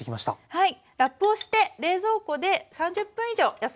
はい。